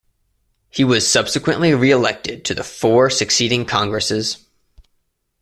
He was subsequently reelected to the four succeeding Congresses.